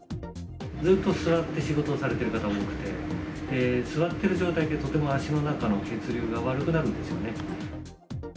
ずっと座って仕事をされている方が多くて、座っている状態ってとても足の中の血流が悪くなるんですよね。